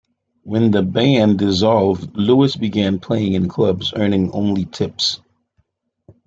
When the band dissolved, Lewis began playing in clubs, earning only tips.